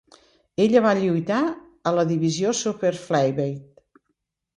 Ella va lluitar a la divisió Super Flyweight.